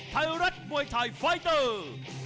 ไทยรัฐมวยไทยไฟเตอร์